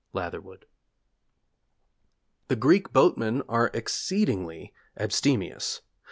Latherwood.' 'The Greek boatmen are exceedingly abstemious.